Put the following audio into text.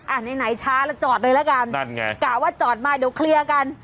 ไหนไหนช้าแล้วจอดเลยละกันนั่นไงกะว่าจอดมาเดี๋ยวเคลียร์กัน